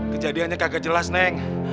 kejadiannya tidak jelas neng